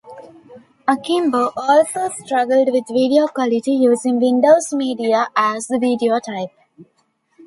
Akimbo also struggled with video quality, using Windows Media as the video type.